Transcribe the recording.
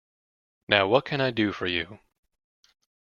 Now, what can I do for you?